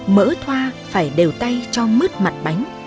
mỡ thoa phải đều tay cho mứt mặt bánh